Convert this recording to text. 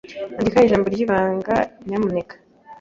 Andika ijambo ryibanga, nyamuneka.